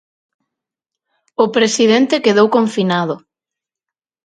O presidente quedou confinado.